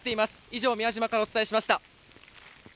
以上、宮島からお伝えしました。